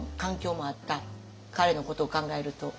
彼のことを考えると。